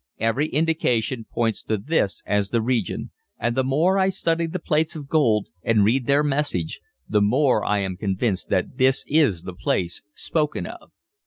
"Every indication points to this as the region, and the more I study the plates of gold, and read their message, the more I am convinced that this is the place spoken of.